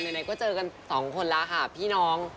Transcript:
อะเดินในก็เจอกัน๒คนแล้วค่ะพี่น้อง